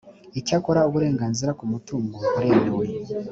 icyakora uburenganzira ku mutungo buremewe